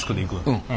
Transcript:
うん。